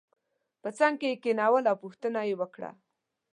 په څنګ کې یې کېنول او پوښتنه یې وکړه.